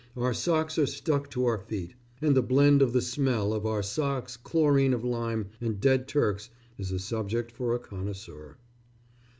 Our socks are stuck to our feet, and the blend of the smell of our socks, chloride of lime, and dead Turks is a subject for a connoisseur....